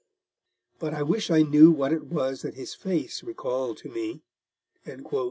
But I wish I knew what it was that his face recalled to me." CHAPTER XII.